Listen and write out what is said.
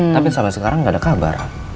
tapi sampai sekarang nggak ada kabar